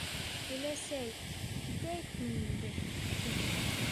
— Өләсәй, китәйекме инде? — тине.